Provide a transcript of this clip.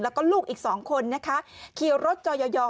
แล้วก็ลูกอีกสองคนนะคะขี่รถจอยอ